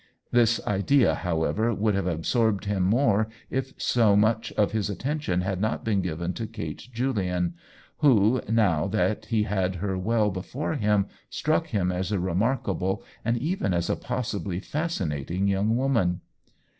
This idea, however, would have absorbed him more if so much of his attention had not been given to Kate Julian, who, now that he had her well before him, struck him as a remarkable and even as a possibly fas cinating young woman.